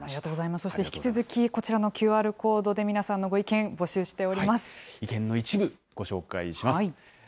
そして引き続き、こちらのＱＲコードで皆さんのご意見、募集しており意見の一部、ご紹介します。